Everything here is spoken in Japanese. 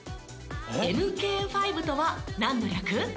「ＭＫ５」とはなんの略？